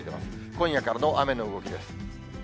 今夜からの雨の動きです。